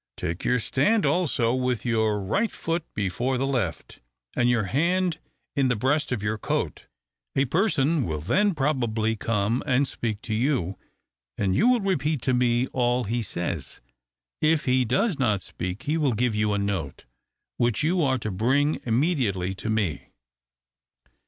Take your stand, also, with your right foot before the left, and your hand in the breast of your coat. A person will then probably come and speak to you, and you will repeat to me all he says. If he does not speak, he will give you a note, which you are to bring immediately to me."